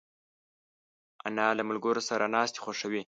انا له ملګرو سره ناستې خوښوي